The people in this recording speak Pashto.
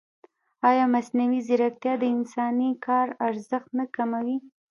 ایا مصنوعي ځیرکتیا د انساني کار ارزښت نه کموي؟